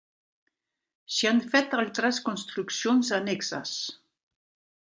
S'hi han fet altres construccions annexes.